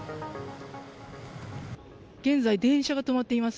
現在、電車が止まっています。